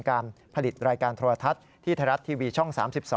การผลิตรายการโทรทัศน์ที่ไทยรัฐทีวีช่อง๓๒